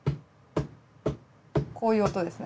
こういう音ですね。